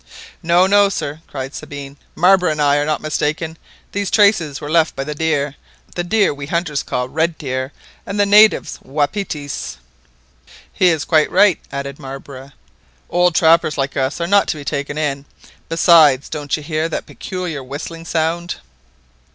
"No, no, sir," cried Sabine; "Marbre and I are not mistaken. These traces were left by deer, the deer we hunters call red deer, and the natives wapitis." "He is quite right," added Marbre; "old trappers like us are not to be taken in; besides, don't you hear that peculiar whistling sound?"